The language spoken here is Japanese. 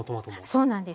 そうなんですよ。